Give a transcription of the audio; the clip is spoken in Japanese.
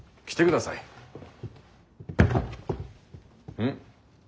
うん？